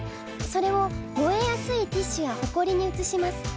それを燃えやすいティッシュやホコリにうつします。